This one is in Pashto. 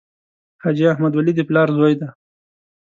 حاجي احمد ولي د پلار زوی دی.